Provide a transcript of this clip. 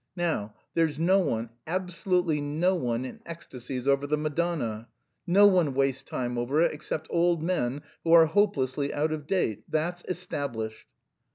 Now, there's no one, absolutely no one, in ecstasies over the Madonna; no one wastes time over it except old men who are hopelessly out of date. That's established."